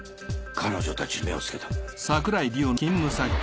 彼女たちに目をつけたんだ。